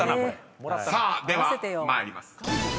［さあでは参ります］